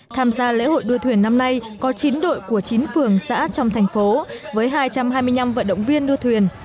tham gia lễ hội đua thuyền năm nay có chín đội của chín phường xã trong thành phố với hai trăm hai mươi năm vận động viên đua thuyền